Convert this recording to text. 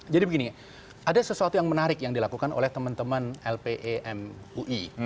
jadi begini ada sesuatu yang menarik yang dilakukan oleh teman teman lpem ui